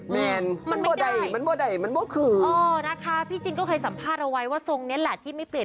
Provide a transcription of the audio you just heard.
แมนมันบ่ได้มันม่ได้มันเมื่อคืนเออนะคะพี่จินก็เคยสัมภาษณ์เอาไว้ว่าทรงนี้แหละที่ไม่เปลี่ยน